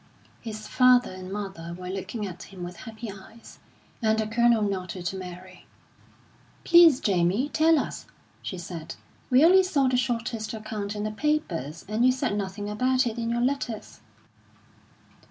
His father and mother were looking at him with happy eyes, and the Colonel nodded to Mary. "Please, Jamie, tell us," she said. "We only saw the shortest account in the papers, and you said nothing about it in your letters."